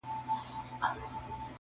چي د کم موږک په نس کي مي غمی دی.